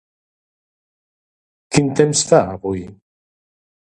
quin temps fa avui?